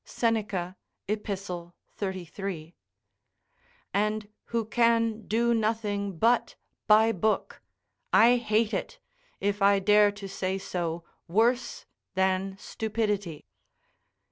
Seneca, Ep., 33.] and who can do nothing but by book, I hate it, if I dare to say so, worse than stupidity.